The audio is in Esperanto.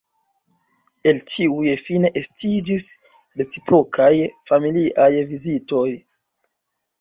El tiuj fine estiĝis reciprokaj, familiaj vizitoj.